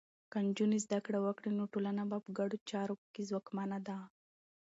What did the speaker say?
که نجونې زده کړه وکړي، نو ټولنه په ګډو چارو کې ځواکمنه ده.